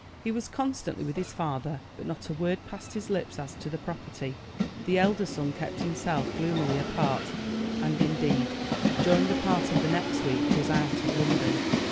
He was constantly with his father, but not a word passed his lips as to the property. The elder son kept himself gloomily apart, and indeed, during a part of the next week was out of London.